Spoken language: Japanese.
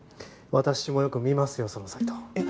私もよく見ますよそのサイト。